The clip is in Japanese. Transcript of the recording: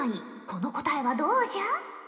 この答えはどうじゃ？